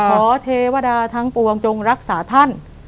เทวดาทั้งปวงจงรักษาท่าน